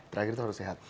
terakhir itu harus sehat